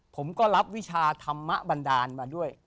ผมก็รับวิชาธรรมบันดาลมาด้วย